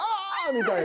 みたいな。